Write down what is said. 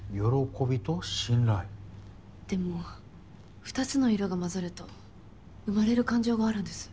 でも２つの色が混ざると生まれる感情があるんです。